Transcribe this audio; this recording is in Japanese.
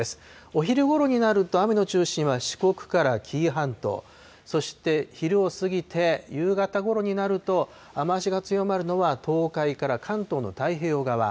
お昼ごろになると、雨の中心は四国から紀伊半島、そして昼を過ぎて、夕方ごろになると、雨足が強まるのは東海から関東の太平洋側。